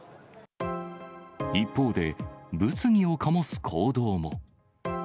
一方で、物議を醸す行動も。